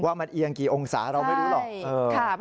ว่ามันเอียงกี่องศาเราไม่รู้หรอก